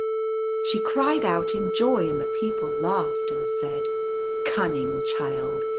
She cried out in joy, and the people laughed, and said, " Cunning child